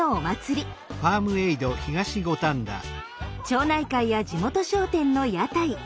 町内会や地元商店の屋台。